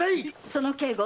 その警護